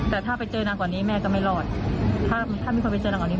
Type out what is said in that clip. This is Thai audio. แต่ถ้าไปเจอนางกว่านี้แม่ก็ไม่รอดถ้าถ้ามีคนไปเจอนางกว่านี้